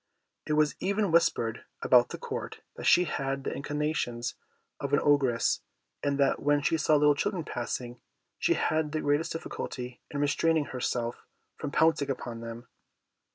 It was even whispered about the Court that she had the inclinations of an Ogress, and that when she saw little children passing, she had the greatest difficulty in restraining herself from pouncing upon them.